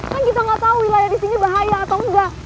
kan kita nggak tahu wilayah di sini bahaya atau enggak